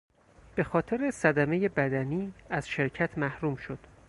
به خاطر صدمهی بدنی از شرکت محروم شد.